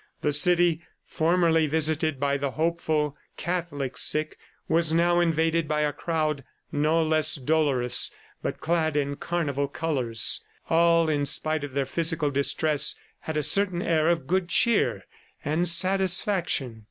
The city, formerly visited by the hopeful, Catholic sick, was now invaded by a crowd no less dolorous but clad in carnival colors. All, in spite of their physical distress, had a certain air of good cheer and satisfaction.